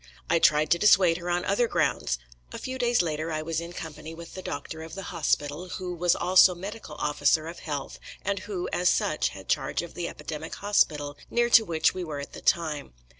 I tried to dissuade her on other grounds.... A few days later I was in company with the doctor of the hospital, who was also medical officer of health, and who, as such, had charge of the epidemic hospital, near to which we were at the time.